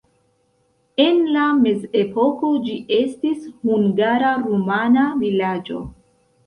En la mezepoko ĝi estis hungara-rumana vilaĝo.